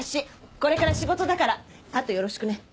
これから仕事だからあとよろしくね。